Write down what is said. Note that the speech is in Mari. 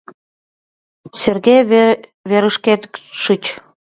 Серге, верышкет шич.